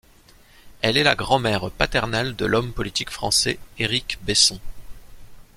Elle est la grand-mère paternelle de l’homme politique français Éric Besson.